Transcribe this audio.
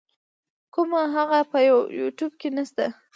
کوومه هغه په یو يټیوب کی نسته.